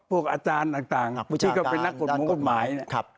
พวกอาจารย์ต่างต่างที่ก็เป็นนักกฎหมวงกฎหมายครับ